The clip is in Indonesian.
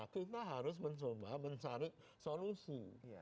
kita harus mencoba mencari solusi